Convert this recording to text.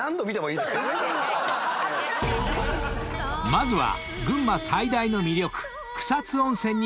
［まずは］